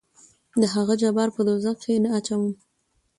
دهغه جبار په دوزخ کې نه اچوم.